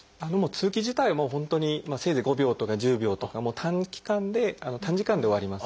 通気自体はもう本当にせいぜい５秒とか１０秒とか短期間で短時間で終わります。